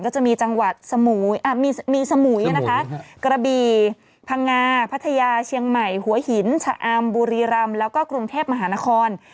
จะมีจังหวัดมีสมุยนะคะกระบี่พังงาพัทยาเชียงใหม่หัวหินชะอำบุรีรำแล้วก็กรุงเทพมหานคร